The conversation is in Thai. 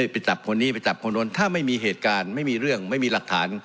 ไปจับคนนี้ไปจับคนนู้นถ้าไม่มีเหตุการณ์ไม่มีเรื่องไม่มีหลักฐาน